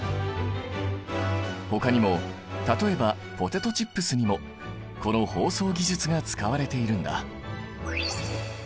ほかにも例えばポテトチップスにもこの包装技術が使われているんだ。